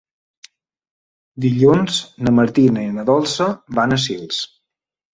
Dilluns na Martina i na Dolça van a Sils.